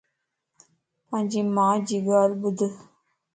پانجي مان جي ڳالھه ٻڌ